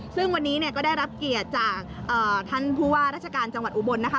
ซึ่งวันนี้เนี่ยก็ได้รับเกียรติจากท่านผู้ว่าราชการจังหวัดอุบลนะคะ